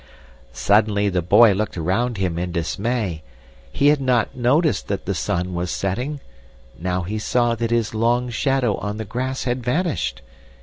"Suddenly the boy looked around him in dismay. He had not noticed that the sun was setting. Now he saw that his long shadow on the grass had vanished.